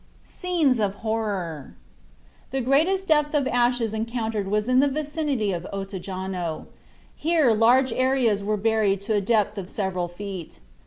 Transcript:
SCENES OF HORROR. The greatest depth of ashes encountered was in the vicinity of Ottajano. Here large areas were buried to a depth of several feet.